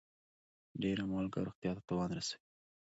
ډيره مالګه روغتيا ته تاوان رسوي.